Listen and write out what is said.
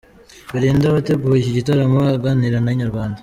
Belinda wateguye iki gitaramo aganira na Inyarwanda.